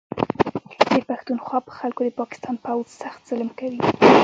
د پښتونخوا په خلکو د پاکستان پوځ سخت ظلم کوي